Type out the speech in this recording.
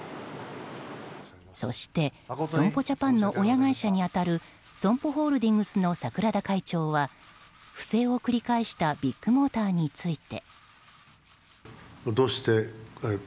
そして損保ジャパンの親会社にあたるＳＯＭＰＯホールディングスの櫻田会長は不正を繰り返したビッグモーターについて。